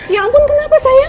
ya ampun kenapa sayang